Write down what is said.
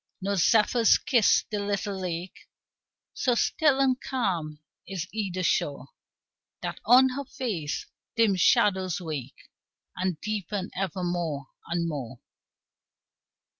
No zephyrs kiss the little lake; So still and calm is either shore, That on her face dim shadows wake And deepen ever more and more.